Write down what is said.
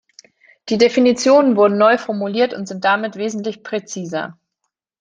Die Definitionen wurden neu formuliert und sind damit wesentlich präziser.